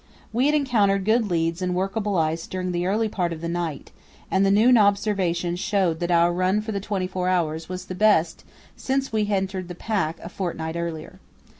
We had encountered good leads and workable ice during the early part of the night, and the noon observation showed that our run for the twenty four hours was the best since we entered the pack a fortnight earlier.